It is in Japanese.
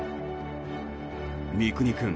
三國君